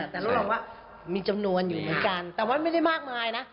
แต่รับรองว่ามีจำนวนอยู่เหมือนกันแต่ว่าไม่ได้มากมายนะ